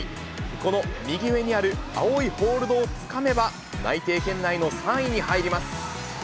この右上にある青いホールドをつかめば、内定圏内の３位に入ります。